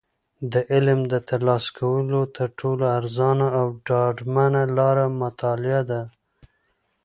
د علم د ترلاسه کولو تر ټولو ارزانه او ډاډمنه لاره مطالعه ده.